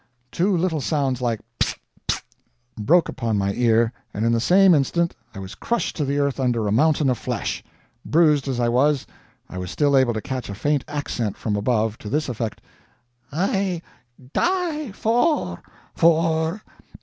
Two little sounds like SPIT! SPIT! broke upon my ear, and in the same instant I was crushed to the earth under a mountain of flesh. Bruised as I was, I was still able to catch a faint accent from above, to this effect: "I die for... for